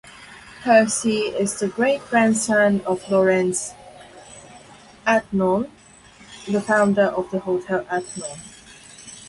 Percy is the great-grandson of Lorenz Adlon the founder of the Hotel Adlon.